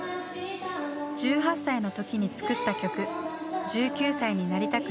１８歳の時に作った曲「１９歳になりたくない」。